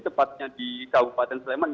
tepatnya di kabupaten sleman